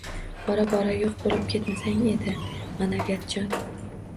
Bora-bora yo‘q bo‘lib ketmasang edi, ma’naviyatjon!